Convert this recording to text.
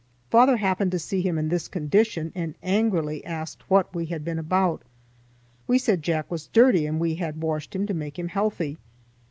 Father happened to see him in this condition and angrily asked what we had been about. We said Jack was dirty and we had washed him to make him healthy.